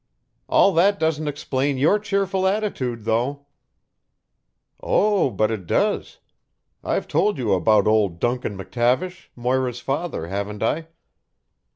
"All that doesn't explain your cheerful attitude, though." "Oh, but it does. I've told you about old Duncan McTavish, Moira's father, haven't I?"